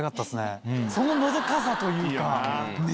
そののどかさというか。